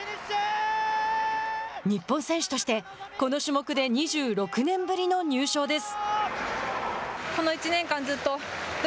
日本選手として、この種目で２６年ぶりの入賞です。